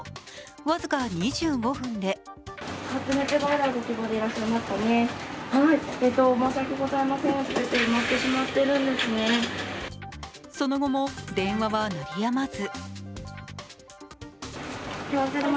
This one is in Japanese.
僅か２５分でその後も、電話は鳴りやまず。